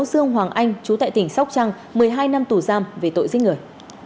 dương hoàng anh chú tại tỉnh sóc trăng một mươi hai năm tù giam về tội giết người